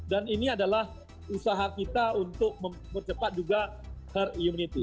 dan ini adalah usaha kita untuk mempercepat juga her humanity